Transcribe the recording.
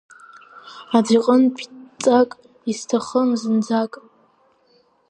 Аӡә иҟынтәи дҵак исҭахым зынӡак.